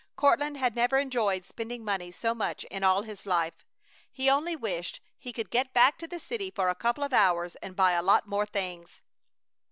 Courtland had never enjoyed spending money so much in all his life. He only wished he could get back to the city for a couple of hours and buy a lot more things.